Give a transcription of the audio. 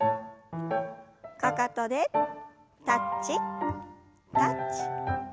かかとでタッチタッチ。